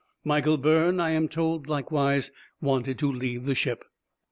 Michael Byrne, I am told, likewise wanted to leave the ship.